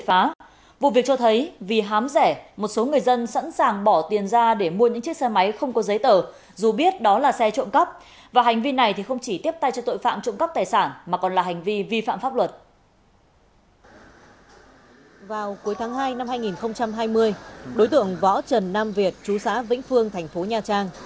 vào cuối tháng hai năm hai nghìn hai mươi đối tượng võ trần nam việt chú xã vĩnh phương thành phố nha trang